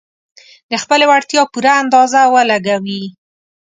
د خپلې وړتيا پوره اندازه ولګوي.